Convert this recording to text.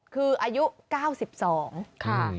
คืออายุ๙๒ค่ะ